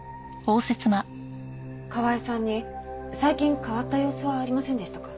川井さんに最近変わった様子はありませんでしたか？